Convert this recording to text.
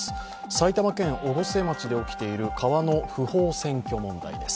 埼玉県越生町で起きている川の不法占拠問題です。